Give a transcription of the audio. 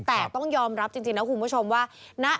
แต่ต้องยอมรับจริงนะคุณผู้ชมว่า